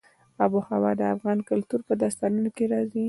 آب وهوا د افغان کلتور په داستانونو کې راځي.